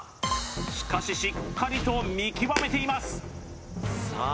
しかししっかりと見極めていますさあ